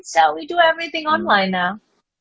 jadi kita melakukan semuanya online sekarang